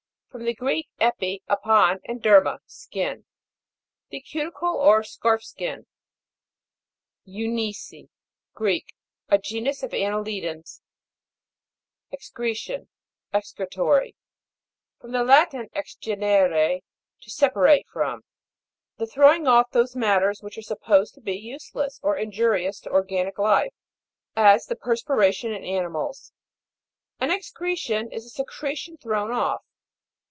From the Greek, epi, upon, and derma, skin. The cuti cle or scarf skin. EUNI'CE. Greek. A genus of anne lidans. EXCRE'TJON. ) From the Latin, ex EXCRE'TORY. cer'nere, to separate from. The throwing off those matters which are supposed to be useless, or injurious to organic life, as the perspiration in animals. An excretion is a secretion thrown off.